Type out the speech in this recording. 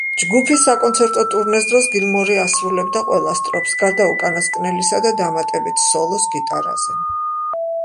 ჯგუფის საკონცერტო ტურნეს დროს გილმორი ასრულებდა ყველა სტროფს, გარდა უკანასკნელისა და დამატებით სოლოს გიტარაზე.